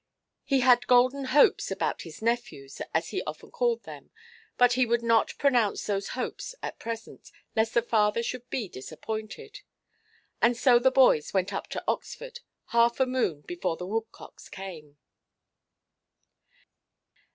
He had golden hopes about his "nephews", as he often called them, but he would not pronounce those hopes at present, lest the father should be disappointed. And so the boys went up to Oxford, half a moon before the woodcocks came.